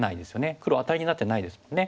黒アタリになってないですもんね。